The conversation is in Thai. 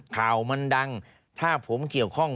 ข่าวมันดังถ้าผมเกี่ยวข้อง